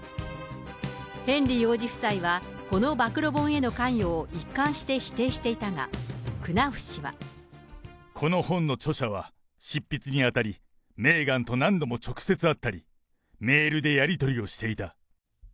ヘンリー王子夫妻は、この暴露本への関与を一貫して否定していたが、この本の著者は、執筆にあたり、メーガンと何度も直接会ったり、メールでやり取りをしていた。